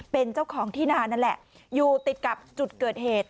เป็นเจ้าของที่นานนั่นแหละอยู่ติดกับจุดเกิดเหตุ